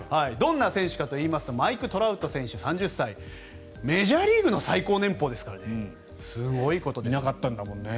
どんな選手かというとマイク・トラウト選手、３０歳メジャーリーグの最高年俸ですからねすごいことです。